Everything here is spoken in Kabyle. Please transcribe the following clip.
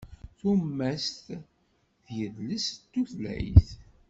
Tumast d yidles d tutlayt.